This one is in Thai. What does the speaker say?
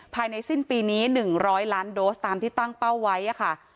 ภายในสิ้นปีนี้๑๐๐ล้านโดสตามที่ตั้งเป้าไว้ค่ะ